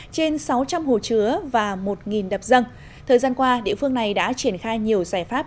trên sáu trăm linh hồ chứa và một đập răng thời gian qua địa phương này đã triển khai nhiều giải pháp